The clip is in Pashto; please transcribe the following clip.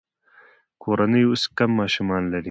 کورنۍ اوس کم ماشومان لري.